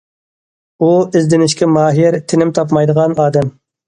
ئۇ ئىزدىنىشكە ماھىر، تىنىم تاپمايدىغان ئادەم.